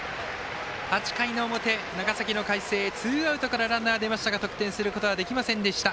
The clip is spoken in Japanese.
８回の表、長崎の海星ツーアウトからランナー出ましたが得点することできませんでした。